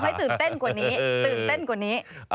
ให้ตื่นเต้นกว่านี้ตื่นเต้นกว่านี้